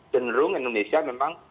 jenderung indonesia memang